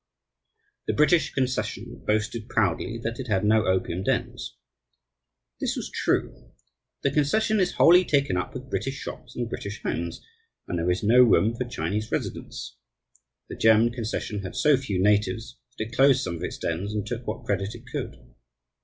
The British concession boasted proudly that it had no opium dens. This was true. The concession is wholly taken up with British shops and British homes, and there is no room for Chinese residents. The German concession had so few natives that it closed some of its dens and took what credit it could.